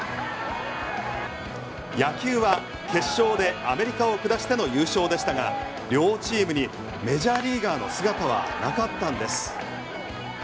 野球は決勝でアメリカを下しての優勝でしたが、両チームにメジャーリーガーの姿はなかったんです。